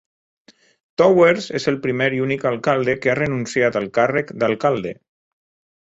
Towers és el primer i únic alcalde que ha renunciat al càrrec d'alcalde.